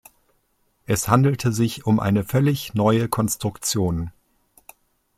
Es handelte sich um eine völlig neue Konstruktion.